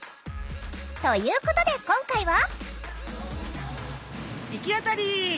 ということで今回は。